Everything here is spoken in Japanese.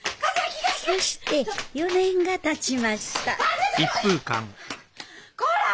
そして４年がたちましたこら！